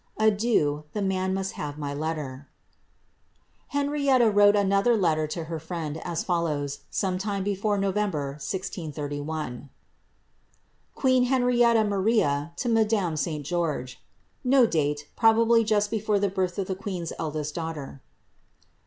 Adieu, the man must have my letter," Henrietta wrote another letter to her friend, as follows, some tunc before November, 1631 :— QniiT HisraiiTTA Masia to Mahaxi St. Crioaei.' [No date ; probably just before the birth of the queen's eldest daughter.